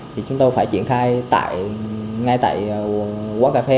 thì chúng tôi phải triển khai ngay tại quán cà phê